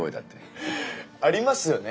ありますよね